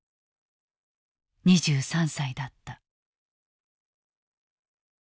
２３歳だった。